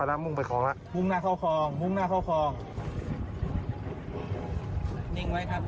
นิ่งไว้ครับนิ่งไว้